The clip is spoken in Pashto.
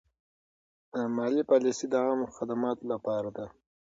مالي پالیسي د عامه خدماتو لپاره ده.